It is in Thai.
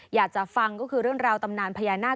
อยากจะฟังก็คือเรื่องราวตำนานพญานาค